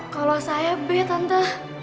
kalau saya b tante